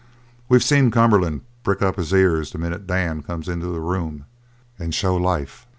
We've seen Cumberland prick up his ears the minute Dan comes into the room, and show life.